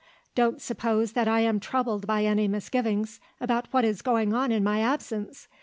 "Don't suppose that I am troubled by any misgivings about what is going on in my absence!